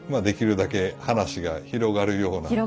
できるだけ話が広がるような。